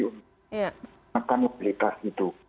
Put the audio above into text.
untuk menekan mobilitas itu